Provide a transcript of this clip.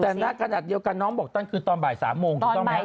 แต่หน้ากระดาษเดียวกันน้องบอกตอนคืนตอนบ่าย๓โมง